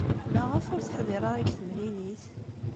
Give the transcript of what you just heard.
Maɣef ur teḥdiṛ ara deg temlilit?